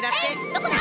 どこだ！？